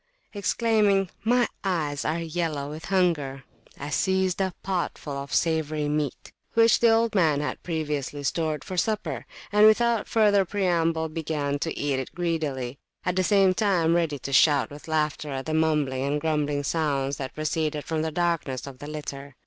Exclaiming, My eyes are yellow with hunger! I seized a pot full of savoury meat which the old man had previously stored for supper, and, without further preamble, began to eat it greedily, at the same time ready to shout with laughter at the mumbling and grumbling sounds that proceeded from the darkness of the litter.